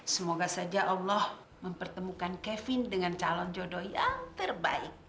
semoga saja allah mempertemukan kevin dengan calon jodoh yang terbaik